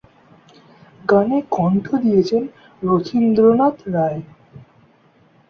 গানে কণ্ঠ দিয়েছেন রথীন্দ্রনাথ রায়।